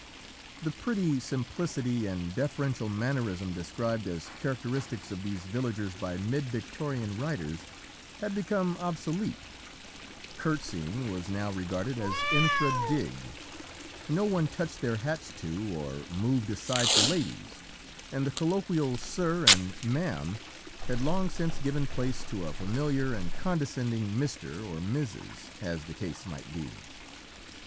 The pretty simplicity and deferential mannerism described as characteristics of these villagers by mid Victorian writers had become obsolete; courtseying was now regarded as infra dig: no one touched their hats to or moved aside for ladies, and the colloquial 'sir' and 'mam' had long since given place to a familiar and condescending 'Mr.' or 'Mrs.' as the case might be.